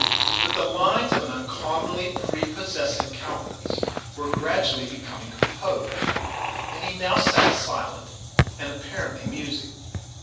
But the lines of an uncommonly prepossessing countenance were gradually becoming composed; and he now sat silent, and apparently musing.